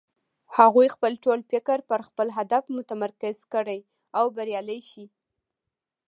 هغوی خپل ټول فکر پر خپل هدف متمرکز کړي او بريالی شي.